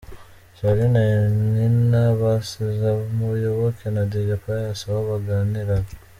Charly na Nina basize Muyoboke na Dj Pius aho baganiriraga.